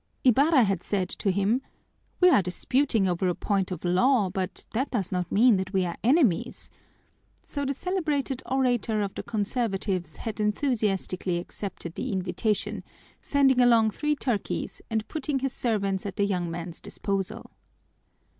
Ibarra had said to him, "We are disputing over a point of law, but that does not mean that we are enemies," so the celebrated orator of the conservatives had enthusiastically accepted the invitation, sending along three turkeys and putting his servants at the young man's disposal.